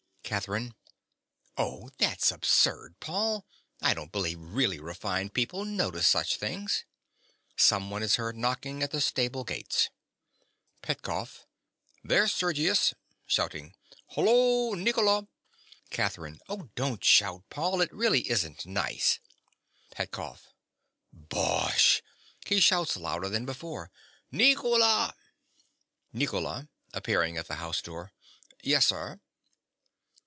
CATHERINE. Oh, that's absurd, Paul: I don't believe really refined people notice such things. (Someone is heard knocking at the stable gates.) PETKOFF. There's Sergius. (Shouting.) Hollo, Nicola! CATHERINE. Oh, don't shout, Paul: it really isn't nice. PETKOFF. Bosh! (He shouts louder than before.) Nicola! NICOLA. (appearing at the house door). Yes, sir.